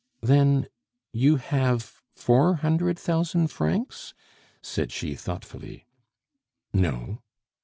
"Then you have four hundred thousand francs?" said she thoughtfully. "No."